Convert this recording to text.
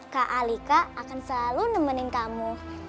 kak alika akan selalu nemenin kamu